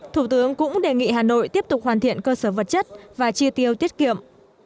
thủ tướng cũng đề nghị hà nội tiếp tục hoàn thiện cơ sở vật chất và chi tiêu tiết kiệm